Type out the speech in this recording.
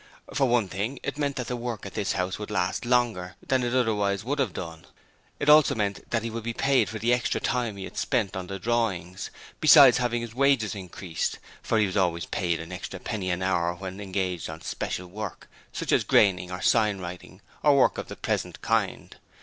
For one thing it meant that the work at this house would last longer than it would otherwise have done; and it also meant that he would be paid for the extra time he had spent on the drawings, besides having his wages increased for he was always paid an extra penny an hour when engaged on special work, such as graining or sign writing or work of the present kind.